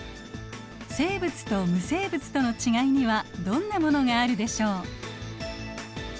生物と無生物とのちがいにはどんなものがあるでしょう。